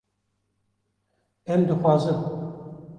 Em dixwazin